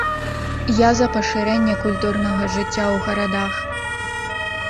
Я за пашырэнне культурнага жыцця ў гарадах.